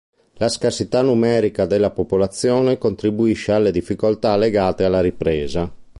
La scarsità numerica della popolazione contribuisce alle difficoltà legate alla ripresa.